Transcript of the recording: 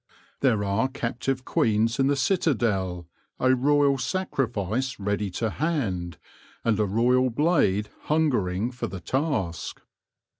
There are captive queens in the citadel — a royal sacrifice ready to hand, and a royal blade hungering for the task.